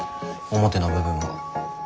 表の部分は。